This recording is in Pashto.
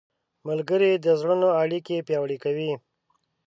ملګري د زړونو اړیکې پیاوړې کوي.